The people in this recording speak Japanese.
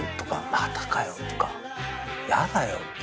またかよとかやだよって。